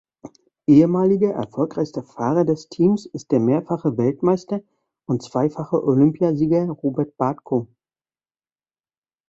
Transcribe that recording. Ehemaliger erfolgreichster Fahrer des Teams ist der mehrfache Weltmeister und zweifache Olympiasieger Robert Bartko.